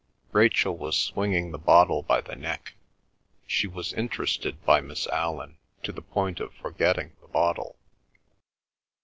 Rachel was swinging the bottle by the neck. She was interested by Miss Allan to the point of forgetting the bottle.